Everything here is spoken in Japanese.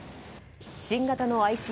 新型のＩＣＢＭ